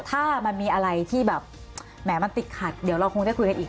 ถ้ามันมีอะไรที่แบบแหมมันติดขัดเดี๋ยวเราคงได้คุยกันอีก